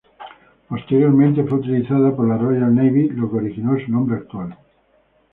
Posteriormente fue utilizada por la Royal Navy lo que originó su nombre actual.